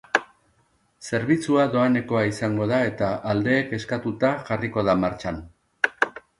Zerbitzua doanekoa izango da eta aldeek eskatuta jarriko da martxan.